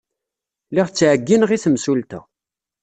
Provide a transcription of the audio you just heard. Lliɣ ttɛeyyineɣ i temsulta.